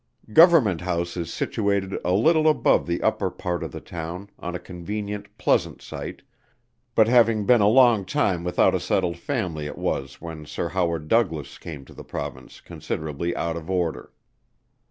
Government House is situated a little above the upper part of the town on a convenient pleasant site, but having been a long time without a settled family it was when Sir HOWARD DOUGLAS came to the Province considerably out of order.